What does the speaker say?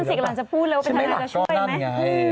สิกำลังจะพูดเลยว่าเป็นทนายจะช่วยไหม